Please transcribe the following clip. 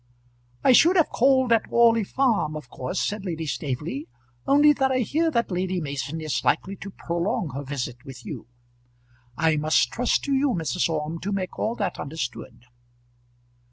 "I should have called at Orley Farm, of course," said Lady Staveley, "only that I hear that Lady Mason is likely to prolong her visit with you. I must trust to you, Mrs. Orme, to make all that understood."